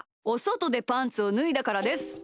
おそとでパンツをぬいだからです。